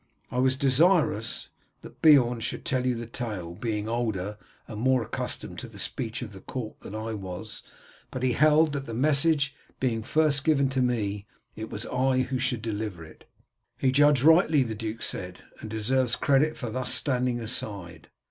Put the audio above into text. I was desirous that Beorn should tell you the tale, being older and more accustomed to the speech of the court than I was, but he held that the message, being first given to me, it was I who should deliver it." "He judged rightly," the duke said, "and deserves credit for thus standing aside."